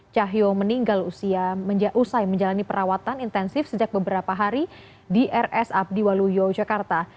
cahyo meninggal usai menjalani perawatan intensif sejak beberapa hari di rs abdiwaluyo jakarta